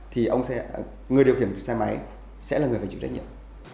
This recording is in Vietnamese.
thì người điều khiển xe máy sẽ là người phải chịu trách nhiệm